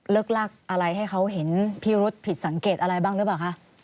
ลากอะไรให้เขาเห็นพิรุษผิดสังเกตอะไรบ้างหรือเปล่าคะ